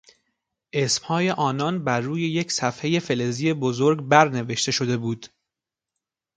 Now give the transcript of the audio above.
اسمهای آنان روی یک صفحهی فلزی بزرگ برنوشته شده بود.